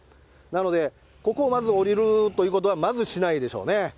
なので、ここをまず下りるということは、まずしないでしょうね。